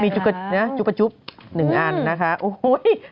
ใช่ค่ะนี่นะจุ๊บประจุ๊บ๑อันนะคะโอ้โฮ้ย